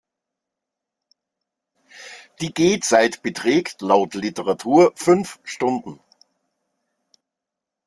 Die Gehzeit beträgt laut Literatur fünf Stunden.